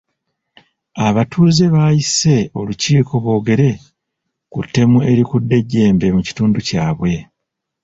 Abatuuze baayise olukiiko boogere ku ttemu erikudde ejjembe mu kitundu kyabwe.